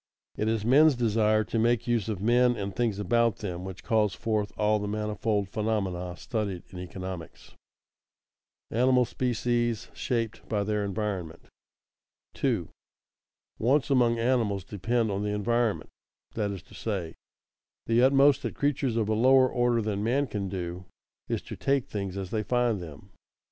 It is men's desire to make use of men and things about them which calls forth all the manifold phenomena studied in economics. [Sidenote: Animal species shaped by their environment] 2. _Wants among animals depend on the environment; that is to say, the utmost that creatures of a lower order than man can do is to take things as they find them.